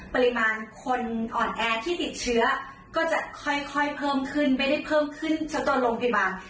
ปริมาณคนอ่อนแอที่ติดเชื้อก็จะค่อยเพิ่มขึ้นไม่ได้เพิ่มขึ้นสักตอนโรงพยาบาล